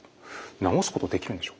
治すことできるんでしょうか？